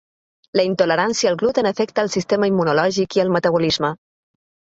La intolerància al gluten afecta el sistema immunològic i al metabolisme.